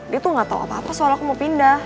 dia tuh gak tau apa apa soal aku mau pindah